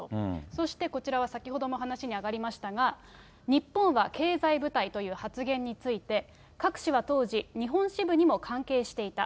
そしてこちらは先ほども話にあがりましたが、日本は経済部隊という発言について、クァク氏は当時、日本支部にも関係していた。